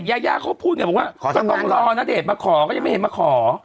ยายาเขาพูดไงบอกว่าก็ต้องรอณเดชน์มาขอก็ยังไม่เห็นมาขอ